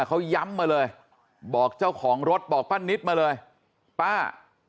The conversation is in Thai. เขาย้ำมาเลยบอกเจ้าของรถบอกป้านิตมาเลยป้า